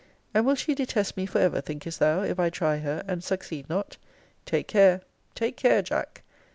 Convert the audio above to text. And will she detest me for ever, thinkest thou, if I try her, and succeed not? Take care take care, Jack!